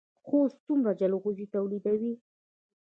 خوست څومره جلغوزي تولیدوي؟